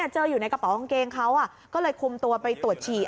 เจออยู่ในกระเป๋ากางเกงเขาก็เลยคุมตัวไปตรวจฉี่